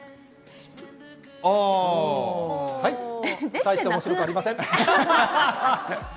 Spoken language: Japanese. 大して面白くもありませんね。